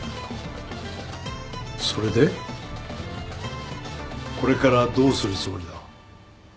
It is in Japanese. それでこれからどうするつもりだ？